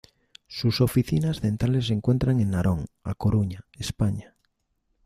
Sus oficinas centrales se encuentran en Narón, A Coruña, España.